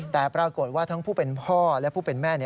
แต่ปรากฏว่าทั้งผู้เป็นพ่อและผู้เป็นแม่